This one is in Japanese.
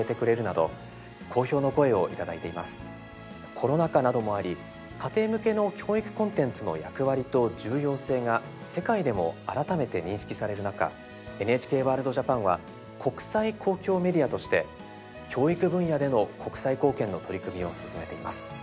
コロナ禍などもあり家庭向けの教育コンテンツの役割と重要性が世界でも改めて認識される中「ＮＨＫワールドＪＡＰＡＮ」は国際公共メディアとして教育分野での国際貢献の取り組みを進めています。